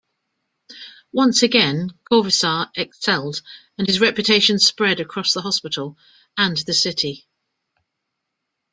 Once again, Corvisart excelled and his reputation spread across the hospital and the city.